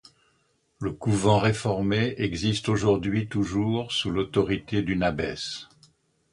Le couvent réformée existe aujourd'hui toujours sous l'autorité d'une abbesse.